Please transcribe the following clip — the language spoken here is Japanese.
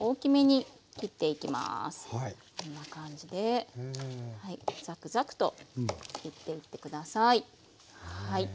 こんな感じでザクザクと切っていって下さい。